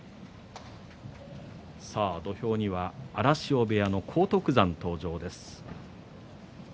土俵には荒汐部屋の荒篤山登場です。